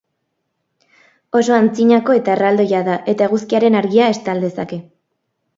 Oso antzinakoa eta erraldoia da eta eguzkiaren argia estal dezake.